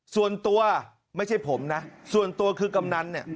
ส่วนตัวไม่ใช่ผมนะส่วนตัวคือกำนันเนี่ย